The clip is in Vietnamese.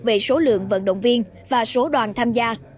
về số lượng vận động viên và số đoàn tham gia